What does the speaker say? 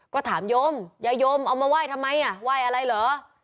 ก็ถามโยมยายมเอามาไหว้ทำไมอ่ะไหว้อะไรเหรอ